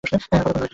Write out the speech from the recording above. আর কতোক্ষণ লাগবে?